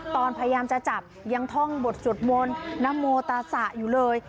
ตอนพยายามจะจับยังท่องบทสวดมนต์นโมตาสะอยู่เลย